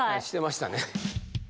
してましたね。